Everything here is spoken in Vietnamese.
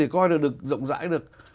mới được rộng rãi được